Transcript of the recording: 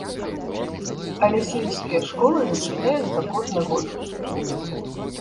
Але сельскія школы зачыняюцца кожны год.